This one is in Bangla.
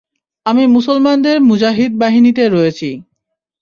আমি মুসলমানদের মুজাহিদ বাহিনীতে রয়েছি।